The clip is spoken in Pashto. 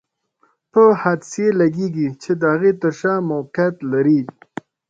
په عدسیې لګیږي چې د هغې تر شا موقعیت لري.